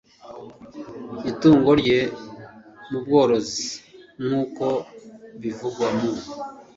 itungo rye mu bworozi nk uko bivugwa mu